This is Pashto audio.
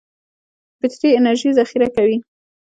بټري انرژي ذخیره کوي.